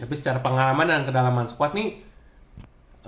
tapi secara pengalaman dan kedalaman squad nih